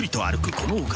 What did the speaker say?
このお方。